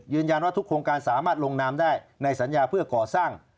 ว่าทุกโครงการสามารถลงนามได้ในสัญญาเพื่อก่อสร้าง